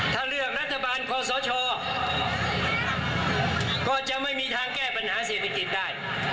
ถ้าเลือกรัฐบาลคอสชก็จะไม่มีทางแก้ปัญหาเศรษฐกิจได้